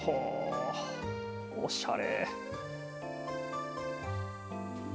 おしゃれ。